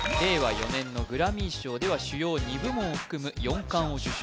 ４年のグラミー賞では主要２部門を含む４冠を受賞